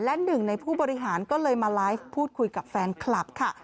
และหนึ่งในผู้บริหารก็เลยมาไลฟ์พูดคุยกับแฟนคลับค่ะ